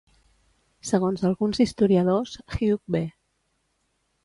Segons alguns historiadors, Hugh B.